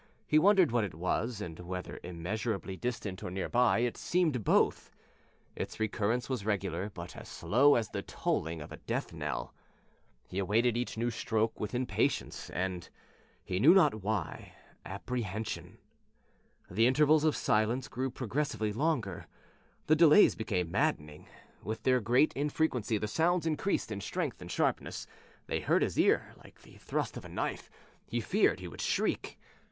He wondered what it was, and whether immeasurably distant or near by it seemed both. Its recurrence was regular, but as slow as the tolling of a death knell. He awaited each stroke with impatience and he knew not why apprehension. The intervals of silence grew progressively longer; the delays became maddening. With their greater infrequency the sounds increased in strength and sharpness. They hurt his ear like the thrust of a knife; he feared he would shriek.